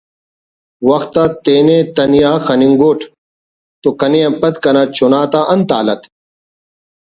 وخت آ تینے تنیا خنگ اوٹ تو کنے آن پد کنا چنا تا انت حالت